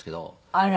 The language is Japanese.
あら。